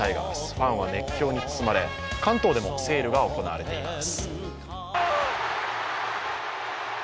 ファンは熱狂に包まれ関東でもセールが行われています。